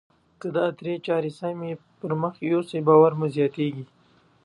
که دا درې چارې سمې پر مخ يوسئ باور مو زیاتیږي.